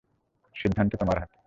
সিদ্ধান্ত তোমার হাতে।